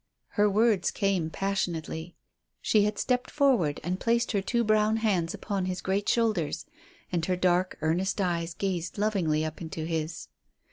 Her words came passionately. She had stepped forward and placed her two brown hands upon his great shoulders, and her dark, earnest eyes gazed lovingly up into his.